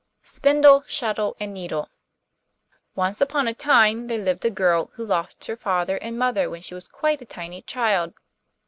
SPINDLE, SHUTTLE, AND NEEDLE Once upon a time there lived a girl who lost her father and mother when she was quite a tiny child.